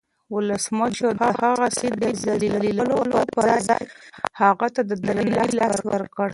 ولسمشر د هغه سړي د ذلیلولو پر ځای هغه ته د درناوي لاس ورکړ.